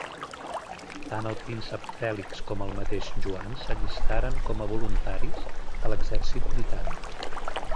Tant el príncep Fèlix com el mateix Joan s'allistaren com a voluntaris a l'exèrcit britànic.